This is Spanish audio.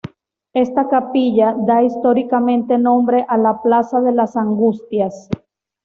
Esta capilla da históricamente nombre a la Plaza de las Angustias.